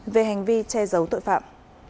về hành vi che giấu tội phạm